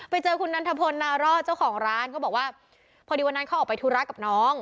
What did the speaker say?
ไปเจอคุณนันทพลนารอดเจ้าของร้านเขาบอกว่าพอดีวันนั้นเขาออกไปธุระกับน้อง